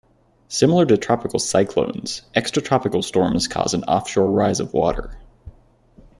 Similar to tropical cyclones, extra-tropical storms cause an offshore rise of water.